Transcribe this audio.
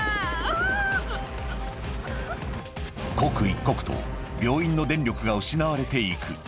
刻一刻と病院の電力が失われていく。